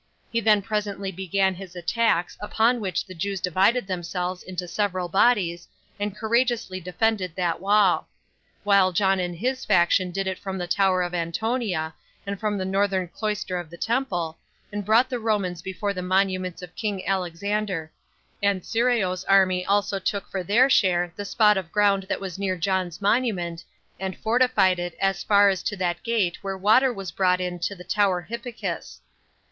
He then presently began his attacks, upon which the Jews divided themselves into several bodies, and courageously defended that wall; while John and his faction did it from the tower of Antonia, and from the northern cloister of the temple, and fought the Romans before the monuments of king Alexander; and Sireoh's army also took for their share the spot of ground that was near John's monument, and fortified it as far as to that gate where water was brought in to the tower Hippicus.